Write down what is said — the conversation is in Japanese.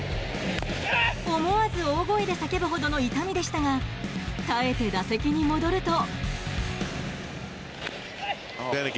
思わず大声で叫ぶほどの痛みでしたが耐えて、打席に戻ると。